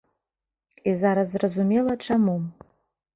І зараз зразумела, чаму.